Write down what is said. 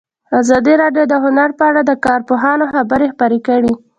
ازادي راډیو د هنر په اړه د کارپوهانو خبرې خپرې کړي.